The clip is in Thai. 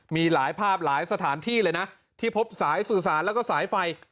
มีหลายภาพหลายสถานที่เลยนะที่พบสายสื่อสารแล้วก็สายไฟ